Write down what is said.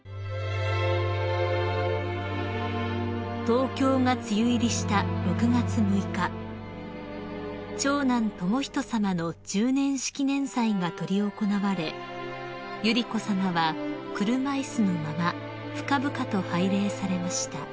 ［東京が梅雨入りした６月６日長男仁さまの十年式年祭が執り行われ百合子さまは車椅子のまま深々と拝礼されました］